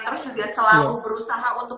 terus juga selalu berusaha untuk